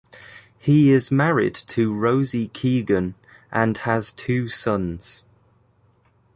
He is married to Rosie Keegan and has two sons.